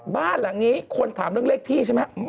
บ้านหลังนี้คนถามเรื่องเลขที่ใช่ไหม